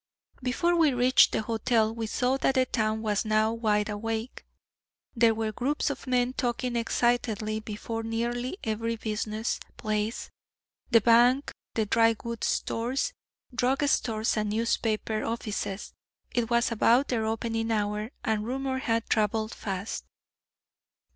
Before we reached the hotel, we saw that the town was now wide awake. There were groups of men talking excitedly before nearly every business place the bank, the dry goods stores, drug stores and newspaper offices. It was about their opening hour, and rumor had travelled fast.